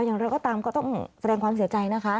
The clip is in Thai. อย่างไรก็ตามก็ต้องแสดงความเสียใจนะคะ